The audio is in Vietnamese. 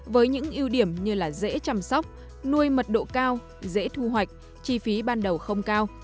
với những ưu điểm như dễ chăm sóc nuôi mật độ cao dễ thu hoạch chi phí ban đầu không cao